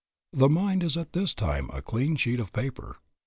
The mind is at this time as a clean sheet of paper.